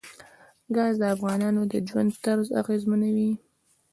ګاز د افغانانو د ژوند طرز اغېزمنوي.